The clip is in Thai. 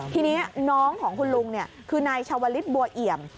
ทีนี้น้องของคุณลุงคือนายชาวลิศบัวเอี่ยม